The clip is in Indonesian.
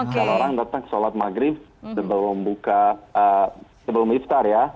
kalau orang datang sholat maghrib sebelum liftar ya